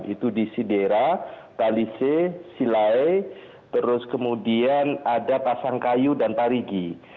itu di sidera kalise silai terus kemudian ada pasangkayu dan parigi